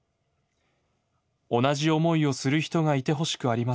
同じ思いをする人がいてほしくありません。